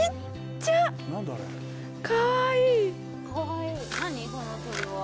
かわいい。